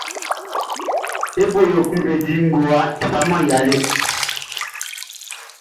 E bo yo kun e di ngowa, e faman ya lɛ.